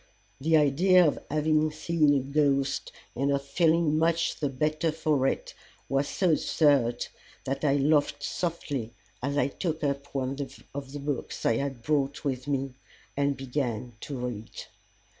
The idea of having seen a ghost, and of feeling much the better for it, was so absurd that I laughed softly, as I took up one of the books I had brought with me and began to read.